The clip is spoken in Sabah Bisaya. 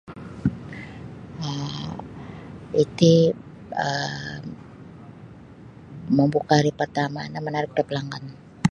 um Iti um mau buka' hari' partama' no manarik da palanggan.